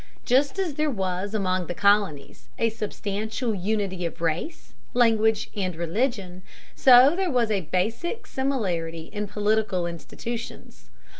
Just as there was among the colonies a substantial unity of race, language, and religion, so there was a basic similarity in political institutions.